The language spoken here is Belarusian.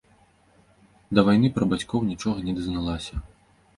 Да вайны пра бацькоў нічога не дазналася.